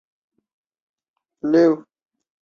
宫崎八郎的父亲是玉名郡荒尾村。